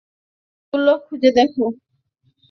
সব রুমগুলো খুঁজে দেখ!